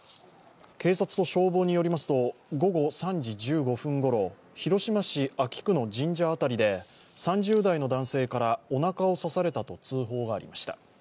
警察と消防によりますと午後３時１５分ごろ、広島市安芸区の神社辺りで３０代の男性からおなかを刺されたと通報がありました。